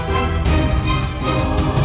biarkan aku sendiri